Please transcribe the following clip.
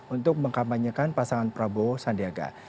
untuk mengkampanyekan pasangan prabowo sandiaga